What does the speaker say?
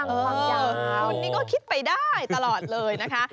คนนี้ก็คิดไปได้ตลอดเลยนะคะ